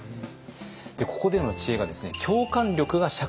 ここでの知恵がですね